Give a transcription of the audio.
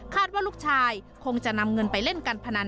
ว่าลูกชายคงจะนำเงินไปเล่นการพนัน